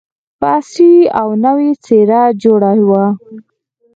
په عصري او نوې څېره جوړه وه.